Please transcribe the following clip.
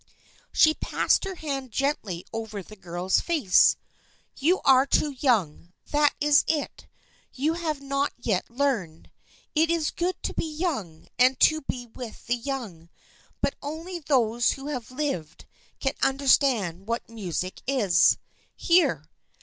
She passed her hand gently over the girl's face. " You are too young. That is it. You have not yet learned. It is good to be young, and to be with the young, but only those who have lived can understand what music is. Here